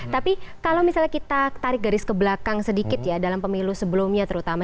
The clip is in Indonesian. tapi kalau misalnya kita tarik garis ke belakang sedikit ya dalam pemilu sebelumnya terutama